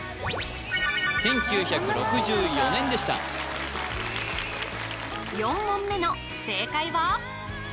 １９６４年でした４問目の正解は？